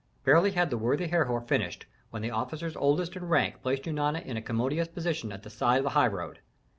Barely had the worthy Herhor finished when the officers oldest in rank placed Eunana in a commodious position at the side of the highroad.